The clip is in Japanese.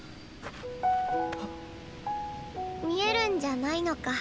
見えるんじゃないのか。